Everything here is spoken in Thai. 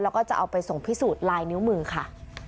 แล้วก็จะเอาไปส่งพิสูจน์ลายนิ้วมือค่ะ